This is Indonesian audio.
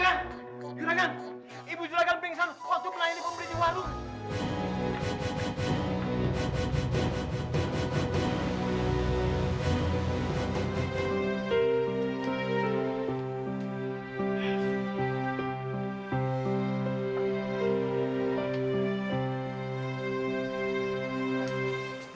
waktu pelayan ini memberi di warung